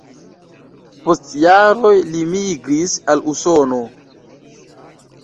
Post jaroj li migris al Usono.